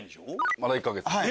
まだ１か月です。